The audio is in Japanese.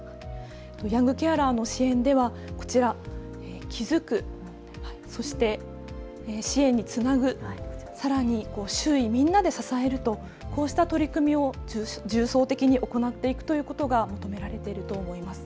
ヤングケアラーの支援ではこちら、気付く、そして支援につなぐ、さらに周囲みんなで支えるというこうした取り組みを重層的に行っていくことが求められていると思います。